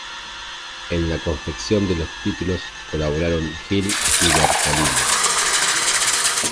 En la confección de los títulos colaboraron Gil y Bertolini.